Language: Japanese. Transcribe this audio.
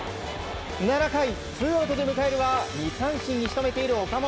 ７回、ツーアウトで迎えるのは２三振に仕留めている岡本。